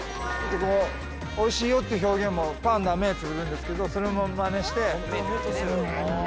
おいしいよっていう表現もパンダ目つぶるんですけどそれもまねして。